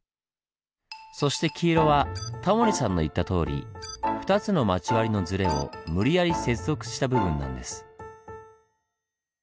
そして黄色はタモリさんの言ったとおり２つの町割りのズレを無理やり接続した部分なんです。